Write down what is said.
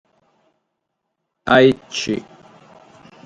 Èvitat su cuntatu cun persones chi sufrint de infetziones respiratòrias.